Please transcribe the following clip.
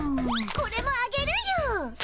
これもあげるよ。